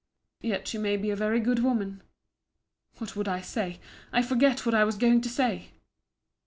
Yet she may be a very good woman— What would I say!—I forget what I was going to say.